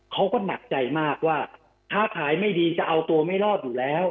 เขาก็หนักใจมากว่าค้าขายไม่ดีจะเอาตัวไม่รอดอยู่แล้ว